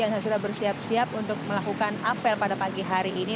yang sudah bersiap siap untuk melakukan apel pada pagi hari ini